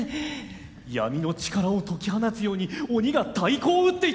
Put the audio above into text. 闇の力を解き放つように鬼が太鼓を打っていた！